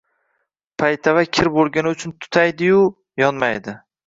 Paytava kir bo’lgani uchun tutaydi-yu, yonmaydi.